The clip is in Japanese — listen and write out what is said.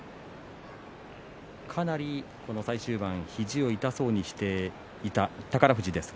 かなり、この最終盤肘を痛そうにしていた宝富士です。